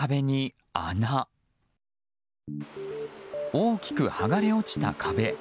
大きく剥がれ落ちた壁。